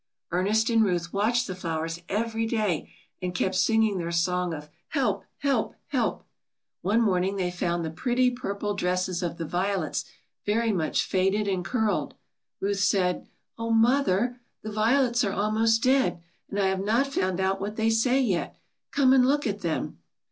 Ernest and Ruth watched the flowers every day and kept singing their song of "Help! help! help!" One morning they found the pretty purple dresses of the violets very much faded and curled. Ruth said, "Oh, mother, the violets are almost dead, and I have not found out what they say yet. Come and look at them."